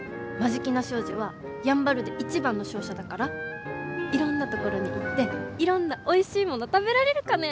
眞境名商事はやんばるで一番の商社だからいろんなところに行っていろんなおいしいもの食べられるかね。